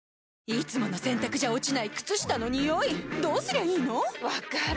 いつもの洗たくじゃ落ちない靴下のニオイどうすりゃいいの⁉分かる。